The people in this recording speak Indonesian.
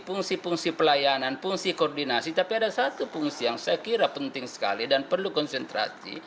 fungsi fungsi pelayanan fungsi koordinasi tapi ada satu fungsi yang saya kira penting sekali dan perlu konsentrasi